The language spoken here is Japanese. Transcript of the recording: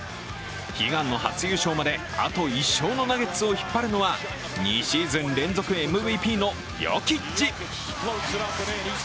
悲願の初優勝まで、あと１勝のナゲッツを引っ張るのは２シーズン連続ＭＶＰのヨキッチ。